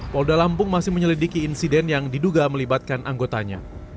polda lampung masih menyelidiki insiden yang diduga melibatkan anggotanya